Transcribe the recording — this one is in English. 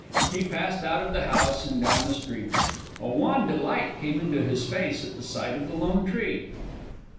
He passed out of the house and down the street. A wan delight came into his face at the sight of the lone tree.